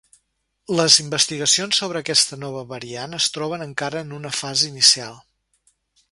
Les investigacions sobre aquesta nova variant es troben encara en una fase inicial.